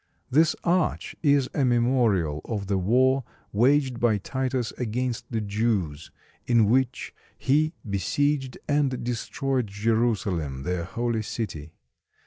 This arch is a memorial of the war waged by Titus against the Jews, in which he besieged and destroyed Jerusalem, their holy city.